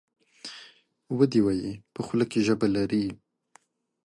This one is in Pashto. ودي وایي ! په خوله کې ژبه لري .